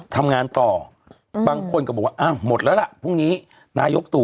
ทำงานต่อบางคนก็บอกว่าอ้าวหมดแล้วล่ะพรุ่งนี้นายกตู่